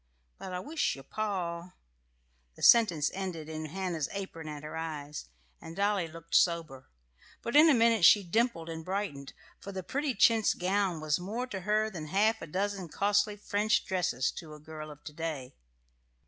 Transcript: But I wisht your pa " The sentence ended in Hannah's apron at her eyes, and Dolly looked sober; but in a minute she dimpled and brightened, for the pretty chintz gown was more to her than half a dozen costly French dresses to a girl of to day.